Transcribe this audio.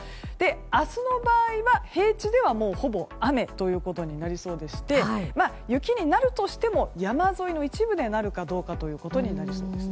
明日の場合は平地ではもうほぼ雨ということになりそうでして雪になるとしても山沿いの一部でなるかどうかとなりそうです。